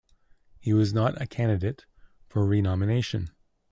He was not a candidate for renomination.